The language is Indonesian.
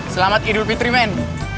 selamat hidup fitriman